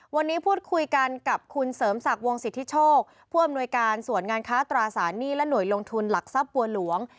วันนี้พูดคุยกันกับคุณเสริมศักดิ์วงสิทธิโชคผู้อำนวยการส่วนงานค้าตราสารหนี้และหน่วยลงทุนหลักทรัพย์บัวหลวง